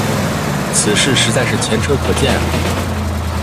此事实在是前车可鉴啊。